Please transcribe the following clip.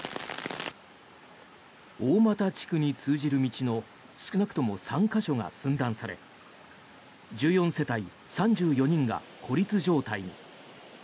大俣地区に通じる道の少なくとも３か所が寸断され１４世帯３４人が孤立状態に。